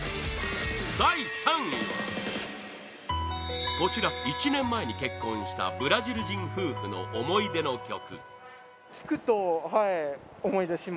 第３位はこちら１年前に結婚したブラジル人夫婦の思い出の曲